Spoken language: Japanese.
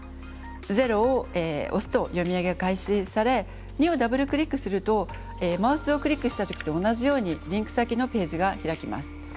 ０を押すと読み上げが開始され２をダブルクリックするとマウスをクリックした時と同じようにリンク先のページが開きます。